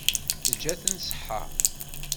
Teǧǧa-ten ṣṣeḥḥa.